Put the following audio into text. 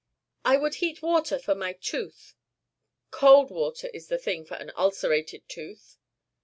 "I would heat water for my tooth." "Cold water is the thing for an ulcerated tooth."